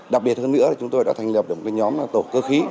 đặc biệt hơn nữa là chúng tôi đã thành lập được một cái nhóm là tổ cơ khí